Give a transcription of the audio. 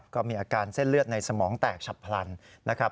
ก็มีอาการเส้นเลือดในสมองแตกฉับพลันนะครับ